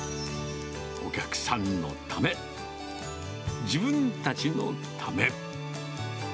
お客さんのため、自分たちのため。